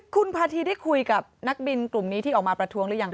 คุณพาธีได้คุยกับนักบินกลุ่มนี้ที่ออกมาประท้วงหรือยังค